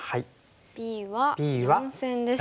Ｂは４線ですね。